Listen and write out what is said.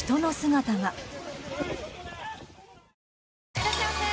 いらっしゃいませ！